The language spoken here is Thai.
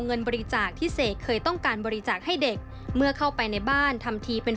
เงินบริจาคที่เสกเคยต้องการบริจาคให้เด็กเมื่อเข้าไปในบ้านทำทีเป็น